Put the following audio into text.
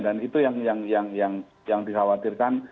dan itu yang dikhawatirkan